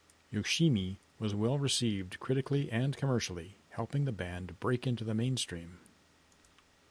"Yoshimi" was well-received critically and commercially, helping the band break into the mainstream.